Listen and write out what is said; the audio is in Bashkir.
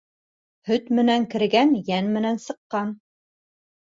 Һөт менән кергән йән менән сыҡҡан.